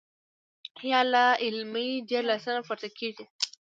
يا لا علمۍ ډېر سوالونه پورته کيږي -